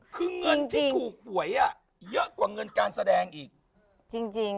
คือเงินที่ถูกหวยอ่ะเยอะกว่าเงินการแสดงอีกจริง